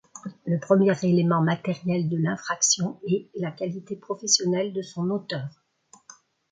Le premier élément matériel de l'infraction est la qualité professionnelle de son auteur.